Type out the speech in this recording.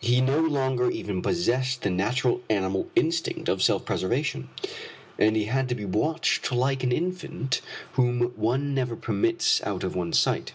He no longer even possessed the natural animal instinct of self preservation, and had to be watched like an infant whom one never permits out of one's sight.